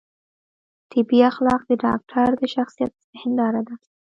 طبي اخلاق د ډاکتر د شخصیت هنداره ده.